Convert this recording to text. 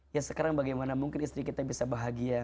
ya sekarang bagaimana mungkin istri kita bisa bahagia